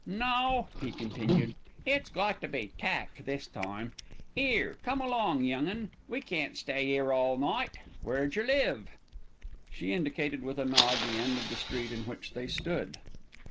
"No," he continued, "it's got to be tack this time. 'Ere, come along, young un, we can't stay 'ere all night. Where jer live?" She indicated with a nod the end of the street in which they stood.